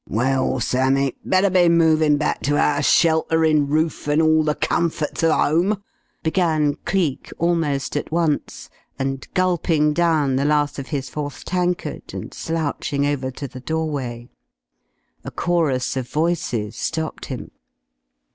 "Well, Sammy, better be movin' back to our shelterin' roof an' all the comforts of 'ome," began Cleek almost at once, and gulping down the last of his fourth tankard and slouching over to the doorway. A chorus of voices stopped him.